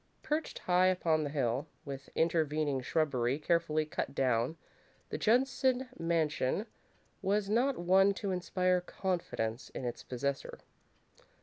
Perched high upon the hill, with intervening shrubbery carefully cut down, the Judson mansion was not one to inspire confidence in its possessor.